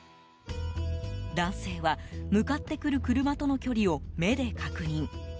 男性は、向かってくる車との距離を目で確認。